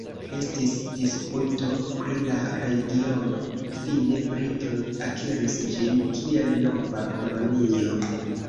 Estis disputo pri la regiono, fine britoj akiris ĝin, kiel nova kolonio.